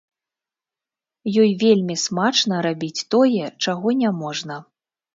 Ёй вельмі смачна рабіць тое, чаго няможна.